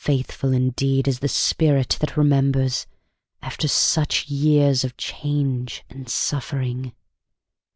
Faithful indeed is the spirit that remembers After such years of change and suffering!